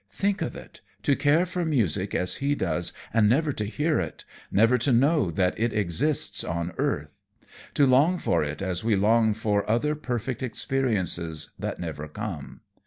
Think of it, to care for music as he does and never to hear it, never to know that it exists on earth! To long for it as we long for other perfect experiences that never come.